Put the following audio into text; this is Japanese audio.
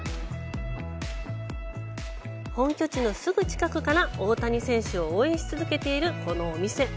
本拠地のすぐ近くから大谷選手を応援し続けている、このお店。